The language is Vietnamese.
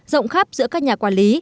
rộng khắp giữa các nhà quản lý